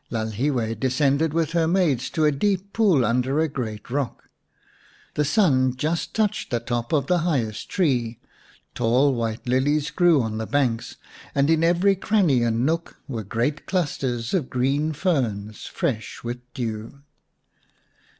Lalhiwe descended with her maids to a deep pool under a great rock. The sun just touched the top of the highest tree, tall white lilies grew on the banks, and in every cranny and nook were great clusters of green fern, fresh with dew.